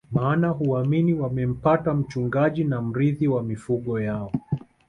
Maana huamini wamempata mchungaji na mrithi wa mifugo yao